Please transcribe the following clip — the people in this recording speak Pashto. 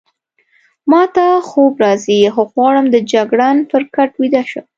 ما ته خوب راځي، زه غواړم د جګړن پر کټ ویده شم.